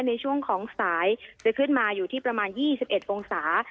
ในช่วงของสายจะขึ้นมาอยู่ที่ประมาณ๒๑องศา